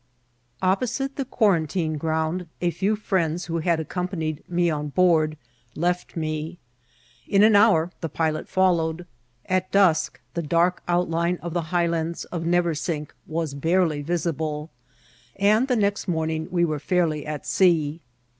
Opposite the Quarantine Ground, a few firiends who ^ had accompanied me on board left me ; in an hour the pilot followed ; at dusk the dark outUne of the high lands of Neversink was barely visible, and the next morning we were fairly at sea.